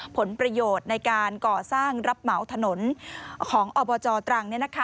ผลประโยชน์ในการก่อสร้างรับเหมาถนนของอบจตรัง